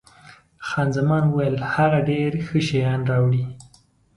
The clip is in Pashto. خان زمان وویل، هغه ډېر ښه شیان راوړي.